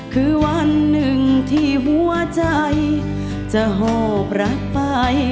คือวันหนึ่งที่หัวใจจะหอบรักไป